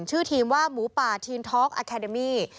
ชื่อทีมว่าหมูปาทีนทอล์กแอคแอเดมี่